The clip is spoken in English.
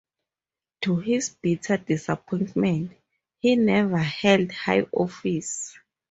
To his bitter disappointment, he never held high office.